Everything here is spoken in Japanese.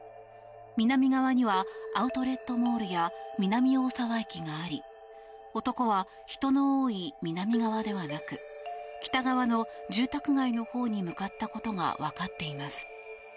南側にはアウトレットモールや南大沢駅があり男は、人の多い南側ではなく北側の住宅街のほうに向かったことが分かっています。